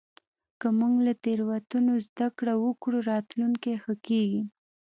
که موږ له تېروتنو زدهکړه وکړو، راتلونکی ښه کېږي.